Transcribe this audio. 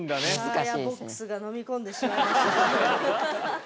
サーヤボックスが飲み込んでしまいました。